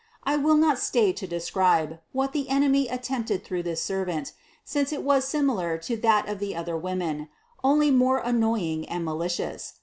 I will not stay to describe, what the enemy attempted through this ser vant, since it was similar to that of the other woman, only more annoying and malicious.